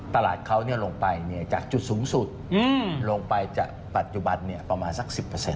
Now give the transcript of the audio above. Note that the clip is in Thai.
ตลาดเขาลงไปจากจุดสูงสุดลงไปจากปัจจุบันประมาณสัก๑๐